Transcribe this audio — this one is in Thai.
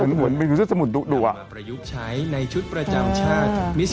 อันนี้คือการจะน่าบุรี